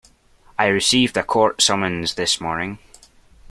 I received a court summons this morning.